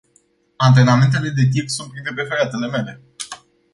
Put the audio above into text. Antrenamentele de tir sunt printre preferatele mele.